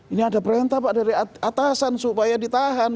ini ada perintah pak dari atasan supaya ditahan